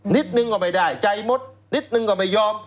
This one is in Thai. นิดนึงก็ไม่ได้ใจมดนิดนึงก็ไม่ยอม